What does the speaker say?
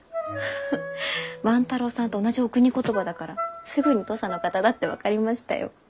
フフ万太郎さんと同じおくに言葉だからすぐに土佐の方だって分かりましたよ。